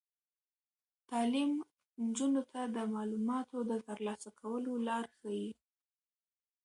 تعلیم نجونو ته د معلوماتو د ترلاسه کولو لار ښيي.